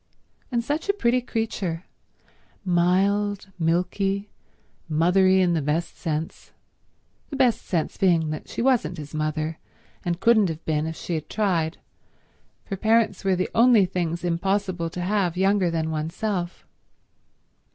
And such a pretty creature—mild, milky, mothery in the best sense; the best sense being that she wasn't his mother and couldn't have been if she had tried, for parents were the only things impossible to have younger than oneself.